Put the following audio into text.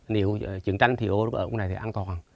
nếu trận tranh thì ôi ở vùng này thì an toàn